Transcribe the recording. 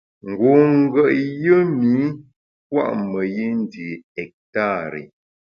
Ngu ngùet yùm ’i pua’ meyi ndi ektari.